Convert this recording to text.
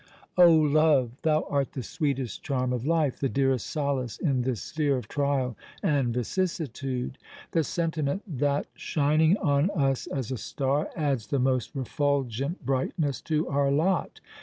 Oh, Love! thou art the sweetest charm of life—the dearest solace in this sphere of trial and vicissitude—the sentiment that, shining on us as a star, adds the most refulgent brightness to our lot.